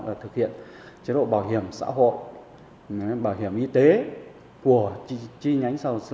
là thực hiện chế độ bảo hiểm xã hội bảo hiểm y tế của chi nhánh xã hội